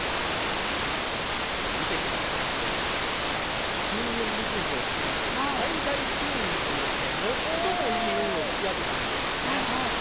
見てください、ここ、金運みくじを引きまして最大金運という最もいい運を引き当てたんですよね。